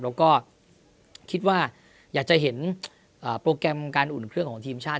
แล้วก็คิดว่าอยากจะเห็นโปรแกรมการอุ่นเครื่องของทีมชาติ